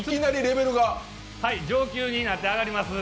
上級になって変わります。